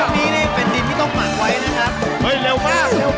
ดินตรงนี้เนี่ยเป็นดินที่ต้องหมั่นไว้นะครับ